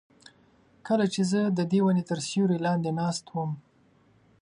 کله چې زه ددې ونې تر سیوري لاندې ناست وم.